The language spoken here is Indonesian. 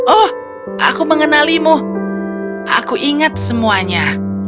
oh aku mengenalimu aku ingat semuanya